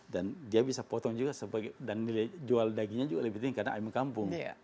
dan dia bisa potong juga dan nilai jual dagingnya juga lebih tinggi karena ayam kampung